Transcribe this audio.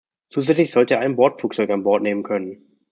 Zusätzlich sollte er ein Bordflugzeug an Bord nehmen können.